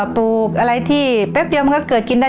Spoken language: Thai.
ปลูกอะไรที่แป๊บเดียวมันก็เกิดกินได้